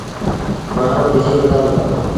مآڻهوٚݩ ڊڄي وُهڙآ هُݩدآ۔